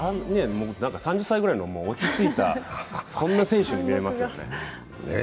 ３０歳ぐらいの落ち着いた、そんな選手に見えますよね。